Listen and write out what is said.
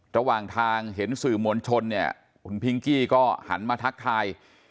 ระหว่างทางเห็นสื่อมวลชนเนี่ยคุณพิงกี้ก็หันมาทักทาย